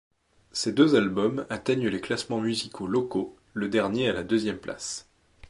Ces deux albums atteignent les classements musicaux locaux, le dernier à la deuxième place.